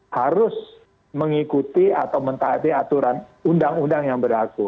harus mengikuti atau mentaati aturan undang undang yang berlaku